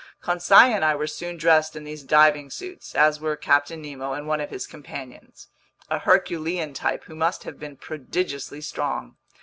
Conseil and I were soon dressed in these diving suits, as were Captain Nemo and one of his companions—a herculean type who must have been prodigiously strong.